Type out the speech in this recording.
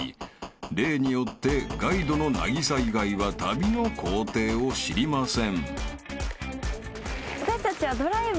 ［例によってガイドの凪咲以外は旅の行程を知りません］